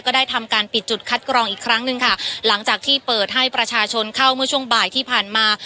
ได้ทำการปิดจุดคัดกรองอีกครั้งหนึ่งค่ะหลังจากที่เปิดให้ประชาชนเข้าเมื่อช่วงบ่ายที่ผ่านมา